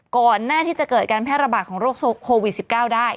ก่อนหน้าที่จะเกิดการแพร่ระบาดของโรคโควิด๑๙ได้